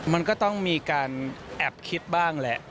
มันก็ต้องมีการแอบคิดบ้างแหละ